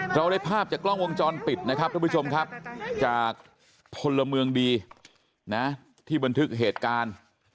เราได้ภาพจากกล้องวงจรปิดนะครับทุกผู้ชมครับจากพลเมืองดีนะที่บันทึกเหตุการณ์